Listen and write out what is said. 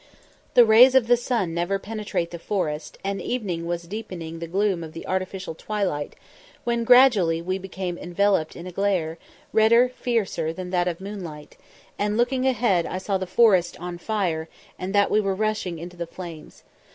The rays of the sun never penetrate the forest, and evening was deepening the gloom of the artificial twilight, when gradually we became enveloped in a glare, redder, fiercer, than that of moonlight; and looking a head I saw the forest on fire, and that we were rushing into the flames.